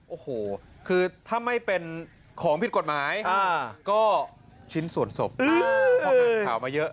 โอ้โหคือถ้าไม่เป็นของผิดกฎหมายก็ชิ้นส่วนศพพออ่านข่าวมาเยอะ